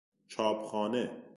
چاپخانه